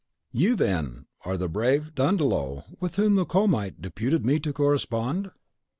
"You, then, are the brave Dandolo with whom the Comite deputed me to correspond?